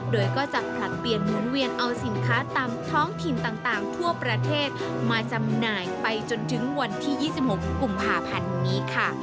โดยก็จะผลัดเปลี่ยนหมุนเวียนเอาสินค้าตามท้องถิ่นต่างทั่วประเทศมาจำหน่ายไปจนถึงวันที่๒๖กุมภาพันธ์นี้ค่ะ